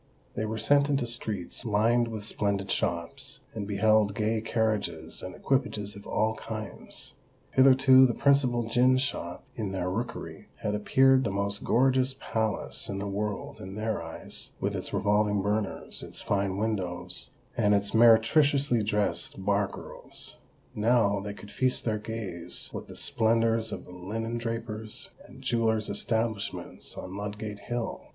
They were sent into streets lined with splendid shops, and beheld gay carriages and equipages of all kinds. Hitherto the principal gin shop in their rookery had appeared the most gorgeous palace in the world in their eyes, with its revolving burners, its fine windows, and its meretriciously dressed bar girls:—now they could feast their gaze with the splendours of the linen drapers' and jewellers' establishments on Ludgate Hill.